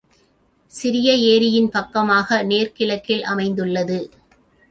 சிறிய ஏரியின் பக்கமாக நேர் கிழக்கில் அமைந்துள்ளது.